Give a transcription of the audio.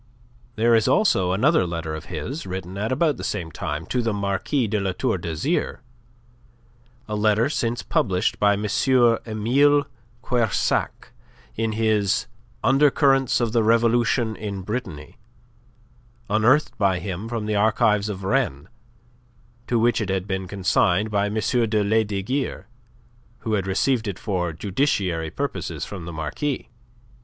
There is also another letter of his written at about the same time to the Marquis de La Tour d'Azyr a letter since published by M. Emile Quersac in his "Undercurrents of the Revolution in Brittany," unearthed by him from the archives of Rennes, to which it had been consigned by M. de Lesdiguieres, who had received it for justiciary purposes from the Marquis.